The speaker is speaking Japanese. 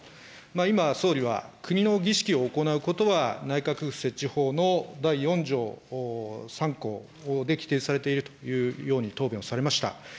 今、総理は、国の儀式を行うことは、内閣府設置法の第４条３項で規定されているというように答弁されました。